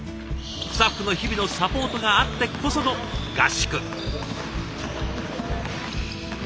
スタッフの日々のサポートがあってこその合宿。